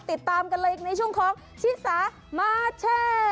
ติดตามกันเลยอย่างนี้ช่วงของชีสามาร์ทแชร์